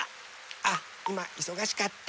あっいまいそがしかった。